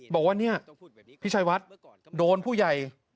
บอกว่าเนี่ยพี่ชัยวัดโดนผู้ใหญ่